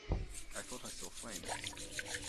I thought I saw flames.